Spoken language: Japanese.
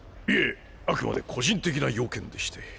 いえあくまで個人的な用件でして。